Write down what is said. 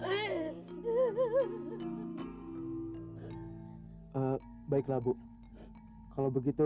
mereka akanansiasi buat kerjaan ini